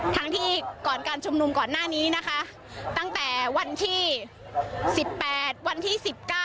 ทั้งที่ก่อนการชุมนุมก่อนหน้านี้นะคะตั้งแต่วันที่๑๘วันที่๑๙